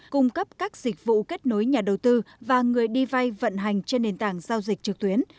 cung cấp các dịch vụ kết nối nhà đầu tư và người đi vay vận hành trên nền tảng giao dịch trực tuyến